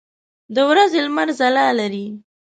د ورځې لمر ځلا لري.